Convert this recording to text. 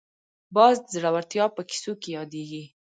باز د زړورتیا په کیسو کې یادېږي